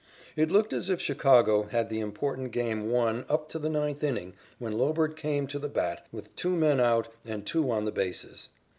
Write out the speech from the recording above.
It looked as if Chicago had the important game won up to the ninth inning when Lobert came to the bat with two men out and two on the bases.